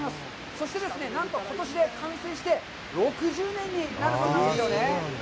そしてですね、なんとことしで完成して６０年になるそうなんですよね。